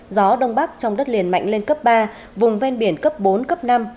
gió đông bắc trong đất liền mạnh lên cấp ba vùng ven biển cấp bốn cấp năm